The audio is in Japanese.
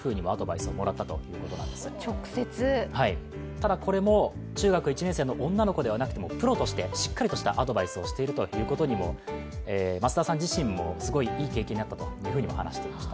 ただ、これも中学１年生の女の子ではなくてプロとしてしっかりとしたアドバイスをしているということにも増田さん自身にもいい経験になったとお話しされていました。